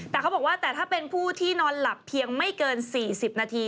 แต่เขาบอกว่าแต่ถ้าเป็นผู้ที่นอนหลับเพียงไม่เกิน๔๐นาที